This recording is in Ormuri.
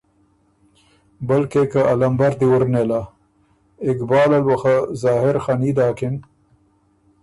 بلکې که ا لمبر دی وُر نېله۔ اقبال ال بُو خه ظاهر خني داکِن